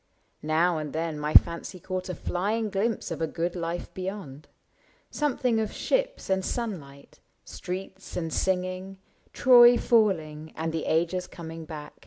Now and then my fancy caught A flying glimpse of a good life beyond — Something of ships and sunlight, streets and sing ing, Troy falling, and the ages coming back.